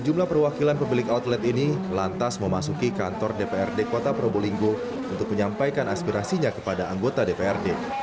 sejumlah perwakilan pemilik outlet ini lantas memasuki kantor dprd kota probolinggo untuk menyampaikan aspirasinya kepada anggota dprd